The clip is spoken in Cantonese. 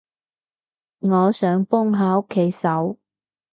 我想幫下屋企手